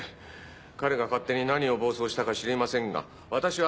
彼が勝手に何を暴走したか知りませんが私は。